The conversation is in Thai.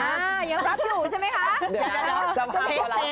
ยังรับอยู่ใช่ไหมคะ